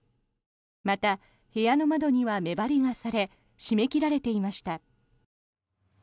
また、部屋の窓には目張りがされ閉め切られていました。